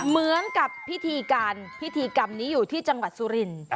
เหมือนกับพิธีการพิธีกรรมนี้อยู่ที่จังหวัดสุรินทร์